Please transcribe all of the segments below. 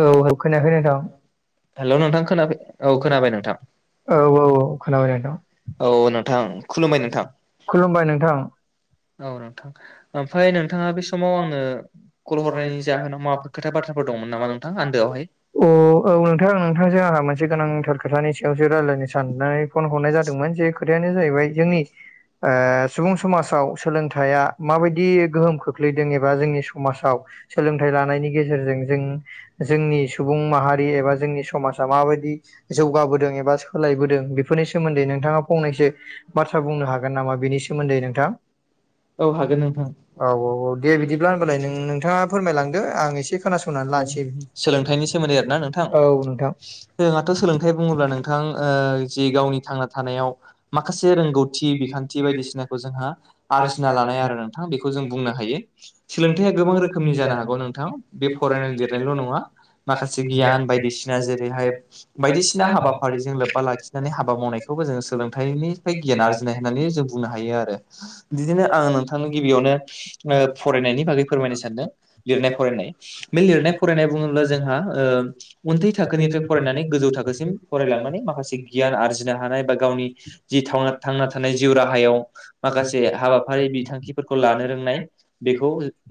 औ होब खोनायाखै नोंथां हेल' नोंथां खोनाबाय औ खोनाबाय नोंथां औ औ नोंथां खुलुमबाय नोंथां औ नोंथां ओमफ्राय नोंथाङा बे समाव आंनो कल हरनायनि जाहोनाव माबाफोर खोथा बाथ्राफोर दंमोन नामा नोंथां आन्दोआवहाय औ औ नोंथां नोंथांजों आंहा मोनसे गोनांथार खोथानि सायावसो रायजायनो साननानै फन हरनाय जादोंमोन जे खोथायानो जोंनि ओ सुबुं समासाव सोलोंथाया माबायदि गोहोम खोख्लैदों एबा जोंनि समाजाव सोलोंथाइ लानायनि गेजेरजों जों जोंनि सुबुं माहारि एबा जोंनि समाजा माबायदि जौगाबोदों एबा सोलायबोदों बेफोरनि सोमोन्दै नोंथाङा फंनैसो बाथ्रा बुंनो हागोन नामा बेनि सोमोन्दै नोंथां औ हागोन नोंथां औ औ औ दे बिदिब्ला होनबालाय नों नोंथाङा फोरमायलांदो आं एसे खोनासंनानै लानोसै सोलोंथाइनि सोमोन्दै आरोना नोंथां जोंहाथ' सोलोंथाइ बुङोब्ला नोंथां ओ जि गावनि थांना थानायाव। माखासे रोंगौथि बिखान्थि बायदिसिनाखौ जोंहा। आरजिना लानाय आरो नोंथां बेखौ जों बुंनो हायो सोलोंथाइया गोबां रोखोमनि जानो हागौ नोंथां। बे फरायनानै लिरनायल' नङा। माखासे गियान बायदिसिना जेरैहाय बायदिसिना हाबाफारिजों लोब्बा लाखिनानै हाबा। मावनायखौबो जों सोलोंथाइनिफ्राय गियान आरजिनाय होननानै जों बुंनो हायो आरो। बिदिनो आं नोंथांनो गिबियावनो ओ फरायनायनि बागै फोरमायनो सानदों लिरनाय फरायनाय। बे लिरनाय फरायनाय बुङोब्ला जोंहा उन्दै थाखोनिफ्राय फरायनानै गोजौ थाखोसिम। फरायलांनानै माखासे गियान आरजिनो हानाय बा गावनि। जि थना थांना थानाय जिउ राहायाव माखासे। जे हाबाफारि बिथांखिफोरखौ लानो रोंनाय बेखौ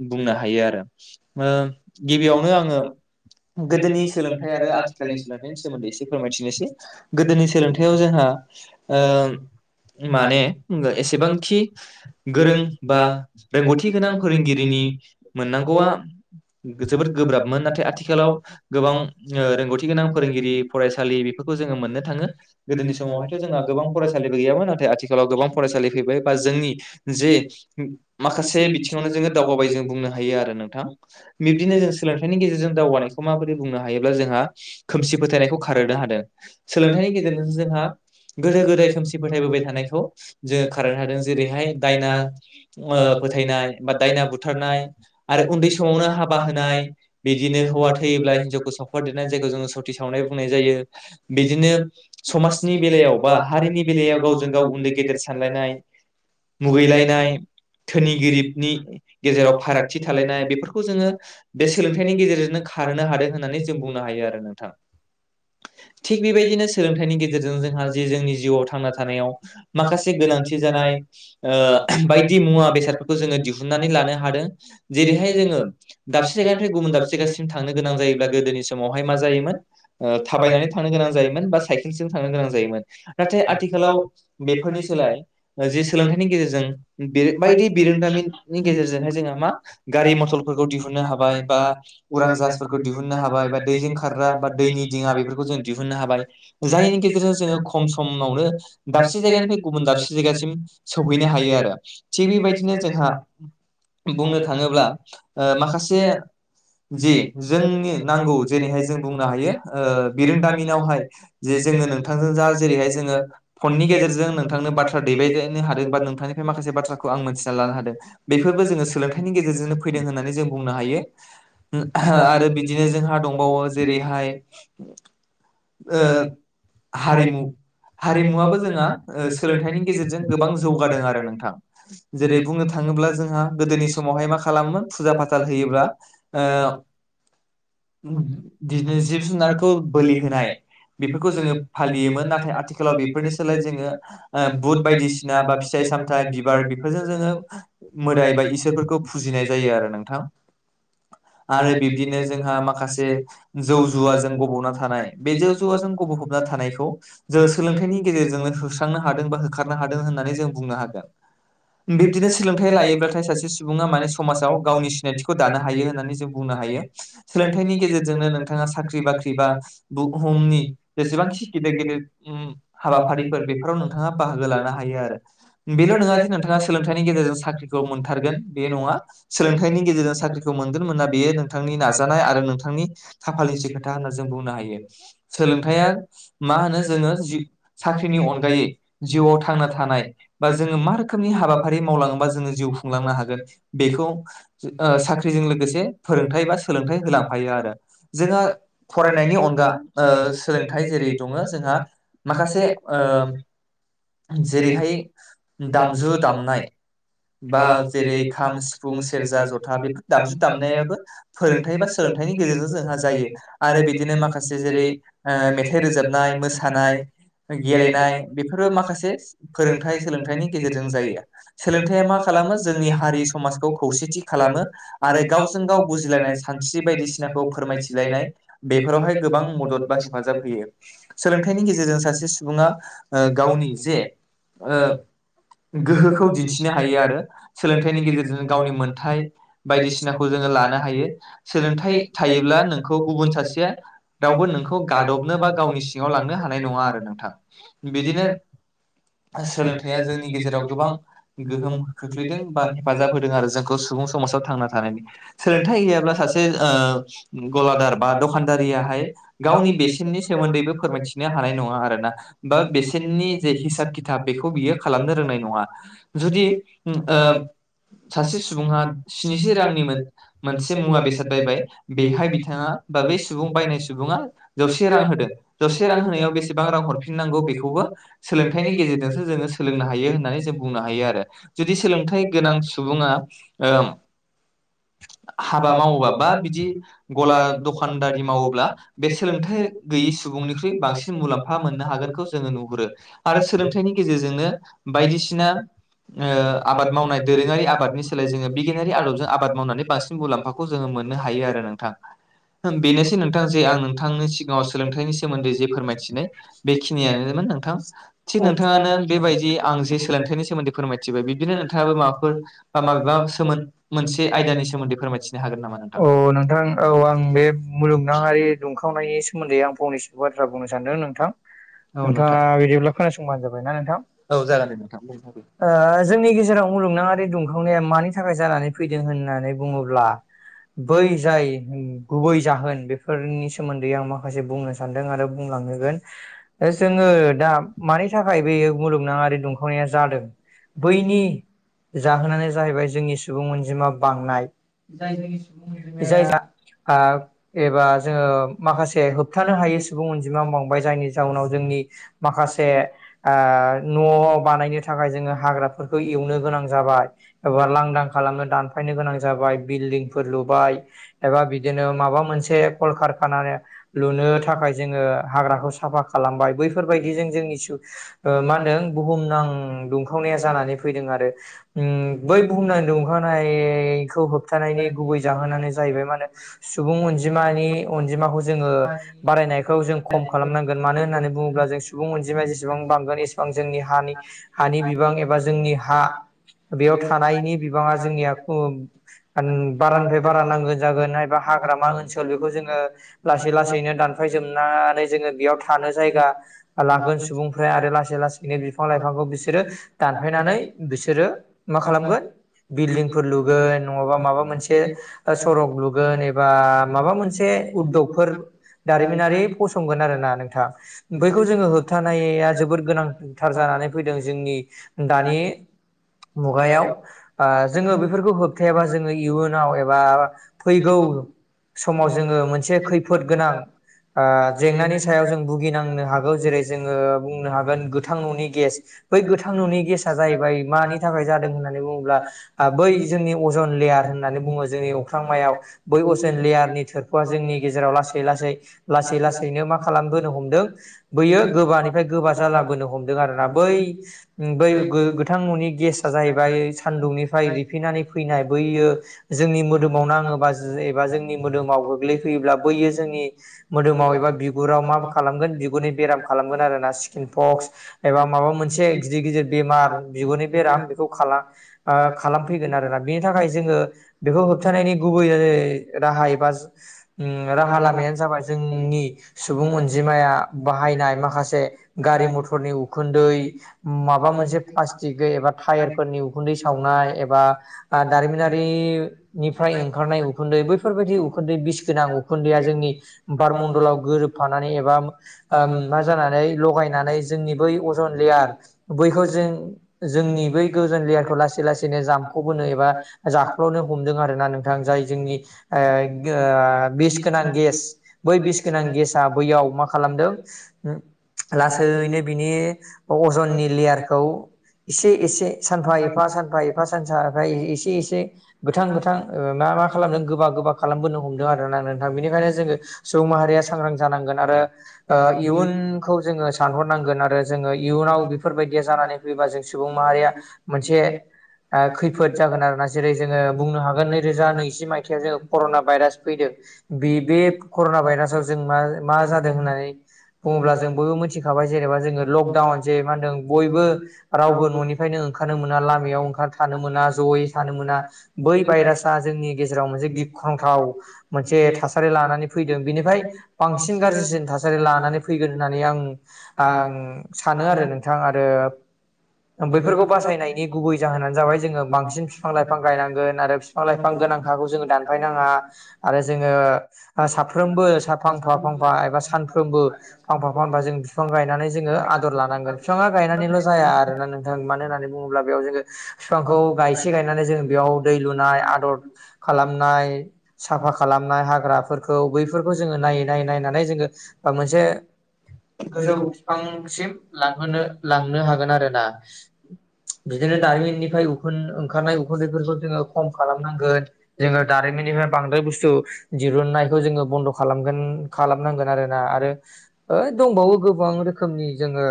बुंनो हायो आरो। ओ गिबियावनो आङो। गोदोनि सोलोंथाइ आरो आथिखालनि सोलोंथाइनि सोमोन्दै एसे फोरमायथिनोसै गोदोनि सोलोंथाइयाव जोंहा। ओ माने एसेबांखि गोरों बा रोंगौथि गोनां फोरोंगिरिनि मोननांगौआ जोबोद गोब्राबमोन, नाथाय आथिखालाव गोबां ओ रोंगौथि गोनां फोरोंगिरि फरायसालि बेफोरखौ जोङो मोननो थाङो गोदोनि समावहायथ' जोंहा गोबां फरायसालिबो गैयामोन नाथाय आथिखालाव गोबां फरायसालि फैबाय बा जोंनि जे माखासे बिथिङावनो जोङो दावगाबाय जों बुंनो हायो आरो नोंथां। बिब्दिनो जों सोलोंथाइनि गेजेरजों दावगानायखौ माबोरै बुंनो हायोब्ला जोंहा खोमसि फोथायनायखौ खारहोनो हादों। सोलोंथाइनि गेजेरजोंसो जोंहा गोदो गोदाय खोमसि फोथायबोबाय थानायखौ जोङो खारहोनो हा जेरैहाय दायना फोथायनाय बा ओ दायना बुथारनाय उन्दै समावनो हाबा होनाय बिदिनो हौवा थैयोब्ला हिन्जावखौ सावफादेरनाय जायखौ जोङो स'थि सावनाय बुंनाय जायो बिदिनो समाजनि बेलायावबा। बे बेलायाव गावजों गाव उन्दै गेदेर सानलायनाय मुगैलायनाय। धोनिगिरिबनि गेजेराव फारागथि थालायनाय बेफोरखौ जोङो बे सोलोंथाइनि गेजेरजों खारोनो हादों होननानै जों बुंनो हायो आरो नोंथां। थिग बेबायदिनो सोलोंथाइनि गेजेरजों जोंहा जि। जोंनि जिउआव थांना थानायाव माखासे गोनांथि जानाय। ओ बायदि मुवा बेसादफोरखौ जोङो दिहुननानै लानो हादों। जेरैहाय जोङो दाबसे जायगानिफ्राय गुबुन दाबसे जायगासिम थांनो गोनां जायोब्ला गोदोनि समावहाय मा जायोमोन। थाबायनानै थांनो गोनां जायोमोन बा साइकेलजों थांनो गोनां जायोमोन। नाथाय आथिखालाव बेफोरनि सोलाय। [inaudible] [inaudible] उरां जाफोरखौ दिहुननो हाबाय बा दैद्रा बा दैनिहा बेफोरखौ जों [inaudible] खमावनो दाबसे जायगानिफ्राय गुबुन दाबसे जायगासिम खोबहैनो हायो आरो थिग बेबायदिनो जोंहा बुंनो थाङोब्ला ओ माखासे जि जोंनि नांगौ जेरैहाय जों बुंनो हायो ओ बिरोंदामियावहाय बेे जोंनो नोंथां आ जेरैहाय जोङो फननि गेजेरजोंनो नोंथांनो बाथ्रा दैलायदों [unintelligible] सोलनायनि गेजेरजों। फैदों होननानै जों बुंनो हायो आरो बिदिनो जोंहा गावबाव जेरैहाय ओ हारिनि हारिमुवाबो जोंना ओ सोलोंथाइनि गेजेर गोबां जौगानाय नोंथां जेरै बुंनो थाङोब्ला जोंहा गोदोनि समावहाय मा खालामोन जोहा दा बिदिल्बा ओ। बिदिनो जिब जुनारखौ बोलिनाय बेफोरखौ जोङो फालियोमोन नाथाय आथिखालाव बेफोरनि सोलाय जोङो बहुत बायदिसिना फिथाइ सामथाय बिबार बेफोरजोंनोङो मोदाय बायदि। फुजिनाय जायो आरो नोंथां आरो बिब्दिनो जोंहा माखासे जौ जुवाजों गबावना थानाय बे जौ जुवाजों गबहाबना थानायखौ जों सोलोंथाइनि गेजेरजोंनो होस्रांनो हादों बा ओंखारनो हादों होननानै जों बुंनो हागोन। बिब्दिनो सोलोंथायाइ लायोब्लाथाय सासे सुबुङा माने समाजाव गावनि सिनायथिखौ दानो हायो होननानै जों बुंनो हायो सोलोंथाइनि गेजेरजोंनो नोंथाङा साख्रि बाख्रि बा बुहुमनि जेसेबांखि गिदिर गेदिर उम हाबाफारिफोर बेफोराव नोंथाङा बाहागो लानो हायो आरो, बेल' नङा ज नोंथाङा सोलोंथाइनि गेजेरजों साख्रिखौ मोनथारगोन बे नङा सोलोंथाइनि गेजेरजों साख्रिखौ मोनगोन मोना बेयो नोंथांनि नाजानाय आरो नोंथांनि खाफालनिसो खो था होनना जों बुंनो हायो। सोलोंथा मा होनो जोङो साख्रिनि अनगायै जिउआव थांना थानाय, बा जोङो मा रोखोमनि हाबाफारि मावलाङोबा जोङो जिउ खुंलांनो हागोन बेखौ साख्रिजों लोगोसे फोरोंथायाइ बा सोलोंथायाइ होनो हायो आरो जोंहा फरायनायनि अनगा ओ सोलोंथाइ जेरै [unintelligible] जोंहा माखासे ओम जेरैहाय दामजु दामनाय बा जेरै खाम, सिफुं, सेरजा, जथा बेफोर दामजु दामनायाबो फोरोंथाइ बा सोलोंथाइनि गेजेरजों जोंहा जायो आरो बिदिनो माखासे जेरै ओ मेथाइ रोजाबनाय मोसा [unintelligible] गेलेनाय बे फोरो माखासे फोरोंथाइ सोलोंथाइनि गेजेरजों जायो। सोलोंथाया मा खालामो जोंनि हारि समाजखौ खौसेथि खालामो आरो गावजों गाव बुजिलायनाय सानस्रि बायदिसिनाखौ फोरमायथिलायनाय बेफोरावहाय गोबां मदद बा हेफाजाब होयो। [unintelligible] गेजेरजों [unintelligible] सुबुङा ओ गावनि जे ओ गोहोखौ दिन्थिनो हायो आरो सोलोंथाइनि गेजेरजों गावनि मोनथाय बायदिसिनाखौ लानो हायो। सोलोंथाइ थायोब्ला नोंखौ गुबुन सासेया रावबो नोंखौ गादबनो बा गावनि सिङाव लांनो हानाय नङा आरो नोंथां बिदिनो सोलोंथाइया जोंनि गेजेराव गोबां [unintelligible] हेफाजाब होदों आरो [unintelligible] सोलोंथाइ गैयाब्ला सासे ओ गलादार बा दखानदारियाहाय गावनि बेसेननि [unintelligible] [unintelligible] हानाय नङा आरो ना बा बेसेननि जे हिसाब खिथा बेखौ बियो खालामनो रोंनाय नङा जुदि [unintelligible] सासे सुबुङा स्निजि रांनिमोन मोनसे मुवा बेसाद बायबाय। बेखाय बिथाङा ओ बे सुबुं बायनाय सुबुङा जौसे रां होदो। जौसे रां होनायाव बेसेबां रां [unintelligible] [unintelligible] नांगौ बेखौबो सोलोंथायनि गेजेरजों जोङो सोलोंनो हायो होननानै जों बुंनो हायो आरो जुदि सोलोंथाइ गोनां सुबुङा ओ हाबा मावोबा बा बिदि गला दखानदारि मावोब्ला बे सोलोंथाइ गैयि सुबुंनिख्रुइ बांसिन मुलाम्फा मोन नो हागोनखौ जोङो नुहुरो आरो सोलोंथाइनि गेजेरजोंनो बायदिसिना ओ आबाद मावनाय दोरोङारि आबादनि सोलाय जोङो बिगियारि आदबजों आबाद मावनानै बांसिन मुलाम्फाखौ जोङो मोननो हायो आरो नोंथां। बेनोसै नोंथां जे आं नोंथांनि सिगाङाव सोलोंथाइनि सोमोन्दै जे फोरमायथिनाय बेखिनियानोमोन नोंथां। थिग नोंथाङानो बेबायदि आं जे सोलोंथाइनि सोमोन्दै फोरमायथिबाय बिबदिनो नोंथाङाबो माबाफोर बा माबेबा सोमोन मोनसे आयदानि सोमोन्दै फोरमायथिनो हागोन नामा नों औ नोंथां औ आं बे मुलुगनाङारि बे दुंखावनायनि सोमोन्दै आं फंनैसो बाथ्रा बुंनो सानदों नोंथां। नोंथाङा बिदिब्ला खोनासंबानो जाबाय ना नोंथां। औ जागोन--ओ जोंनि गेजेराव मुलुगनाङारि दुंखावनाया मानि थाखाय जानानै फैदों होननानै बुङोब्ला बै जाय गुबै जाहोन बे फोरनि सोमोन्दै आं माखासे बुंनो सानदों आरो बुंलां होगोन। ओ जोङो दा मानि थाखाय बेयो मुलुगनाङारि दुंखावनाया जादों बैनि जाहोनानो जाहैबाय जोंनि सुबुं अनजिमा बांनाय। जाय जोंनि सुबुं अनजिमाया आ एबा जोङो माखासे होबथानो हायै सुबुं अनजिमा बांबाय जायनि जाउनाव जोंनि माखासे आ न'आव बानायनो थाखाय जोङो हाग्राफोरखौ एवनो गोनां जाबाय। एबा लांदां खालामनो दानफायनो गोनां जाबाय बिल्डिंफोर लुब बाय एबा बिदिनो माबा मोनसे कल कारखाना लुनो थाखाय जोङो हाग्राखौ साफा खालामबाय बैफोर बायदिजों जोंनि सु ओ मा होनो बुहुमनां दुंखावनाया जानानै फैदों आरो उम बै बुहुमनां दुंखां [unintelligible] खौ होबथानायनि गुबै जाहोनानो जाहैबाय मानो सुबुं अनजिमानि अनजिमाखौ जोङो बारायनायखौ जों खम खालामनांगोन। मानो होननानै बुङोब्ला जों सुबुं अनजिमाया जेसेबां बांगोन एसे बां जोंनि हानि हानि बिबां एबा जोंनि हा बेयाव थानायनि बिबाङा जोंनियाथ' होनबा बारानिफ्राय बारा नांगोन जागोन एबा हाग्रामा ओनसोल बेखौ जोङो लासै लासैनो दानफायजोबनानै जोङो बेयाव थानो जायगा लागोन सुबुंफ्रा आरो लासै लासै बिनो बिफां लाइफांखौ बिसोरो दानफायनानै बिसोरो मा खालामगोन बिल्डिंफोर लुगोन नङाबा माबा मोनसे सरक लुगोन एबा माबा मोनसे उददगफोर दारिमिनारि फसंगोन आरोना नोंथा। बैखौ जोङो होबथानाया जोबोद गोनां थार जानानै फैदों जोंनि दानि मुगायाव जोङो बेफोरखौ होबथायाबा जोङो इयुन नाव एबा फैगौ समाव जोङो मोनसे खैफोद गोनां जेंनानि सायाव जों भुगिनांनो हागौ। जेरै जोङो बुंनो हागोन गोथां न'नि गेस। बै गोथां न'नि गेसा जाहैबाय मानि थाखाय जादों होननानै बुङोब्ला बै जोंनि अजन लेयार होननानै बुङो। जोंनि अख्रां मायाव बै अजन लेयारनि थोरफोआ जोंनि गेजेराव लासै लासै लासै लासैनो मा खालामबोनो हमदों बैयो गोबानिफ्राय गोबा जालाबोनो हम दों आरोना। बै बै गो-गोथां न'नि गेसा जाहैबाय सानदुंनिफ्राय रि फिनानै फैनाय बैयो जोंनि मोदोमाव नाङोबा एबा जोंनि मोदोमाव गोग्लै फैयोब्ला बैयो जोंनि मोदोमाव एबा बिगुराव मा खालामगोन बिगुरनि बेराम खालामगोन आरोना। सि किन पक्स एबा माबा मोनसे गिदिर गिदिर बेमार बिगुरनि बेराम बेखौ खाला ओं खालामफैगोन आरोना। बिनि थाखाय जोङो बेखौ होबथानायनि गुबै राहाय एबा राहा लामायानो जाबाय जोंनि सुबुं अनजिमाया बाहायनाय माखासे गारि मथरनि उखुन्दै माबा मोनसे प्लास्टिक एबा टायारफोरनि उखुन्दै सावनाय एबा दारिमिनारिनिफ्राय ओंखारनाय उखुन्दै बैफोरबायदि उखुन्दै बिस गोनां उखुन्दैया जोंनि बारमण्दलाव गोरोबफानानै एबा मा जानानै लगायनानै जोंनि बै अजन लेयार बैखौ जों जोंनि बै गोजोन लेयारखौ लासै लासैनो जाम्फबबोनो एबा जाख्ल'नो हमदों आरोना नोंथां, जाय ओ ओ बिस गोनां गेस, बै बिस गोनां गेस बैयाव मा खालामदों लासैनो बिनि अजननि लेयारखौ एसे एसे सानफा एफा सानफा एफा सानफा एफा एसे एसे गोथां गोथां मा मा खालामदों गोबा गोबा खालामबो हदोंथां बेनिखायनो जोङो सुबुं माहारिया सांग्रां जानांगोन आरो इयुन खौ जोङो सानहरनांगोन आरो जोङो इयुनाव बेफोरबायदिया जानानै फैयोबा जों सुबुं माहारिया मोनसे खैफोद जागोन आरोना जेरै जोङो बुंनो हागोन नैरोजा नैजि मायथाइयाव जोङो कर'ना भाइरास फैदों बे कर'ना भाइरासाव जों मा मा जादों होननानै बुङोब्ला जों बयबो मिथिखाबाय। जेनेबा जोङो लकडाउन जे मा होनदों बयबो रावबो न'नि फ्रायनो ओंखारनो मोना लामायाव ओंखार थानो मोना ज'यै थानो मोना। बै भाइरासाआ जोंनि गेजेराव मोनसे गि ख्रंथाव मोनसे थासारि लानानै फैदों बेनिफ्राय बांसिन गाज्रिसिन थासारि लानानै फैगोन होननानै आं आं सानो आरो नोंथां आरो बेैफोरखौ बासायनायनि गुबै जाहोनानो जाबाय जोङो बांसिन बिफां लाइफां गायनांगोन आरो बिफां लाइफां गोनांखाखौ जोङो दान फायनाङा आरो जोङो साफ्रोमबो फांफा फांफा एबा सानफ्रोमबो फांफा फांफा जों बिफां गायनानै जोङो आदर लानांगोन बिफाङा गायनानैल' जाया आरोना नोंथां। मानो होननानै बुङोब्ला बेयाव जोङो फिफांखौ गायसे गाय माने जोङो बेयाव दै लुनाय, आदर खालामनाय, साफा खालामनाय, हाग्राफोर खौ बैफोरखौ जोङो नायै नायै नायनानै जोङो मोनसे गोजौ फिफांसिम लांहोनो, लांनो हा गोन आरोना। बिदिनो दायो बेनिफ्राय ओखारनाय उखुन्दैफोरखौ जोङो खम खालामनांगोन जोङो दारिमिननिफ्राय बांद्राय बुस्थु दिरुननायखौ जोङो बन्द' खालामगोन खालामनांगोन आरो ना आरो ओ दंबावो गोबां रोखोम- खोमनि जोङो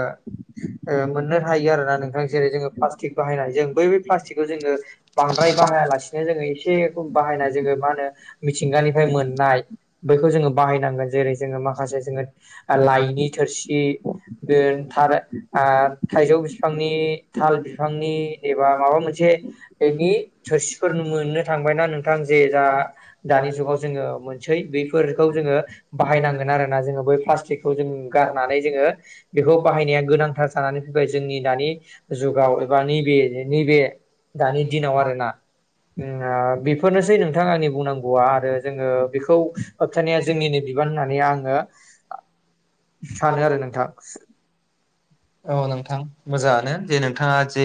ओं मोननो हायो आरोना नों थां‌। जेरै जोङो प्लास्टिक बाहायनायजों बैफोर फ्लास्टिक खौ जोङो बांद्राय बाहायालासेनो जोङो एसे खम बाहायनाय जोङो मा होनो मिथिंगानिफ्राय मोननाय बैखौ जोङो बाहायनांगोन जेरै जोङो माखासे जोङो लाइनि थोरसि [unintelligible] थाराय ओ थाइ-थाइजौ बिफांनि, थाल बिफांनि एबा माबा मोनसे से बेनि थोरसिफोर मोननो थांबायना नोंथां जे जा दानि जुगाव जोङो मोनसै बेैफोरखौ जोङो बाहायनांगोन आरो ना जोङो बै प्लास्टिक खौ‌ जों गारनानै जोङो बेखौ बाहायनाया गोनांथार जानानै फैबाय जोंनि दानि जुगाव एबा नैबे नैबे दानि दिनाव आरो ना। उम आ बेफोरनोसै नोंथां आंनि बुंनांगौआ आरो जोङो बेखौ होबथानाया जोंनिनो बिबान होननानै आङो सानो आरो नोंथां। औ नोंथां मोजाङानो जे नोंथाङा जे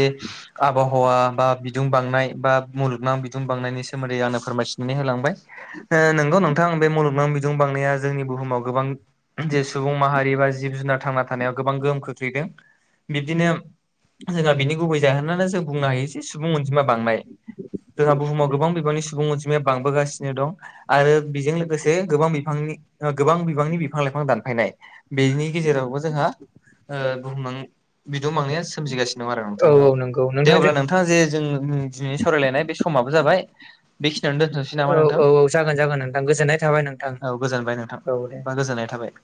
आबहावा बा बिदुं बांनाय बा मुलुगनां बिदुं बांनायनि सोमोन्दै आंनो फोरमायथिनानै होलांबाय। ओ नंगौ नोंथां बे मुलुगनां बिदुं बांनाया जोंनि बुहुमाव गोबां जे सुबुं माहारि बा जिब जुनार थांना थानायाव गोबां गोहोम खो ख्लैदों। बिद्बिनो जोंहा बिनि गुबै जाहोनानो जों बुंनो हायो जे सुबुं अनजिमा बांनाय। जोंहा बुहुमाव गोबां बिबांनि सुबुं अनजिमाया बांबोगासिनो दं। आरो बेजों लोगोसे गोबां बिफांनि ओ गोबां बिबांनि बिफां लाइफां दानफायनाय बेनि गेजेरावबो जोंहा ओ बुहुम बिदुं बांनाया सोमजिगासिनो दं आरो नोंथां। दे अब्ला नोंथां। नोंथाङा जे जों दिनैनि सावरायलायनाय बे समाबो जाबाय बेखिनियावनो दोनथ'नोसै नामा नोंथां? औ गोजोनबाय नोंथां बा गोजोननाय थाबाय।